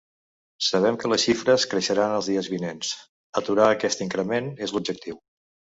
Sabem que les xifres creixeran els dies vinents: aturar aquest increment és l’objectiu.